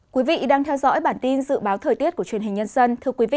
quý vị đang theo dõi bản tin dự báo thời tiết của truyền hình nhân dân